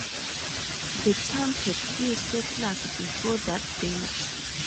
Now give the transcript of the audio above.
The town had few settlers before that date.